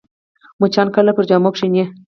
مچان کله پر جامو کښېني